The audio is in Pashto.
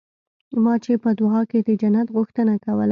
ما چې په دعا کښې د جنت غوښتنه کوله.